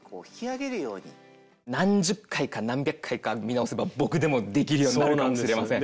何十回か何百回か見直せば僕でもできるようになるかもしれません。